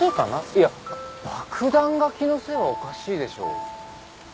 いや爆弾が気のせいはおかしいでしょ。